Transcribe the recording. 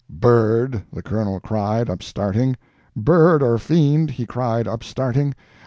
"Bird," the Colonel cried, upstarting. "Bird or fiend," he cried, upstarting.